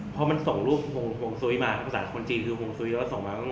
เพราะมันส่งรูปโหงสุวิมาภาษาคนจีนคือโหงสุวิแล้วส่งมาก็งง